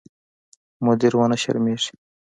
مدیر ونه شرمېږي.